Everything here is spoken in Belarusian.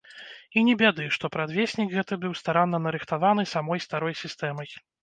І не бяды, што прадвеснік гэты быў старанна нарыхтаваны самой старой сістэмай.